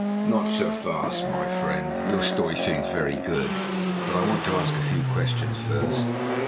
"Not so fast, my friend. Your story seems very good, but I want to ask a few questions first.